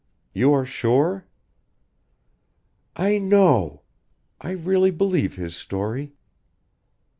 "You are sure?" "I know! I really believe his story."